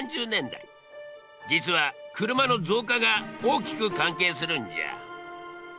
実は車の増加が大きく関係するんじゃ。